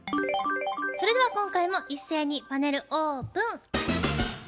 それでは今回も一斉にパネルオープン。